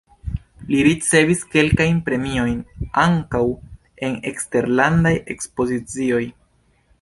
Li ricevis kelkajn premiojn, ankaŭ en eksterlandaj ekspozicioj.